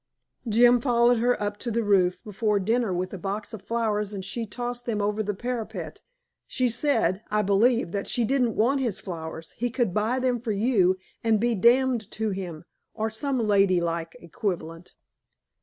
Jim followed her up to the roof before dinner with a box of flowers, and she tossed them over the parapet. She said, I believe, that she didn't want his flowers; he could buy them for you, and be damned to him, or some lady like equivalent."